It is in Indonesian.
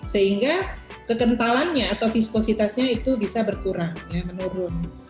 sehingga kekentalannya atau viskositasnya itu bisa berkurang menurun